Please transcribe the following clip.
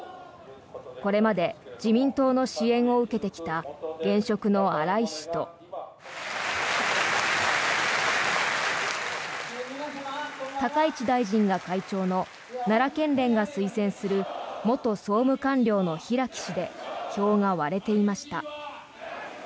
これまで自民党の支援を受けてきた現職の荒井氏と高市大臣が会長の奈良県連が推薦する元総務官僚の平木氏で票が割れていました。